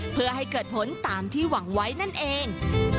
เพื่อให้เกิดผลตามที่หวังไว้นั่นเอง